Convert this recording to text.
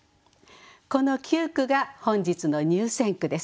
この９句が本日の入選句です。